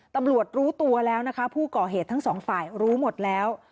ตำรวจรู้ตัวแล้วนะคะผู้ก่อเหตุทั้งสองฝ่ายรู้หมดแล้ว